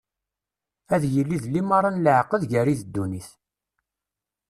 Ad yili d limaṛa n leɛqed gar-i d ddunit.